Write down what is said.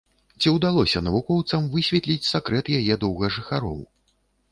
Ці ўдалося навукоўцам высветліць сакрэт яе доўгажыхароў?